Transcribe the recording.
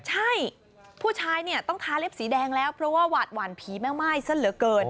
ใช่ผู้ชายเนี่ยต้องทาเล็บสีแดงแล้วเพราะว่าหวาดหวั่นผีแม่ม่ายซะเหลือเกิน